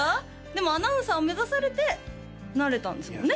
でもアナウンサーを目指されてなれたんですもんね？